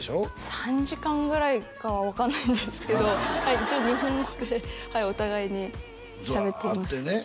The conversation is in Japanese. ３時間ぐらいかは分からないんですけど一応日本語でお互いにしゃべっています会ってね